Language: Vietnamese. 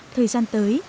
thời gian tới